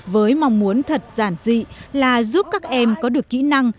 với mong muốn thật giản dị là giúp các em có được kỹ năng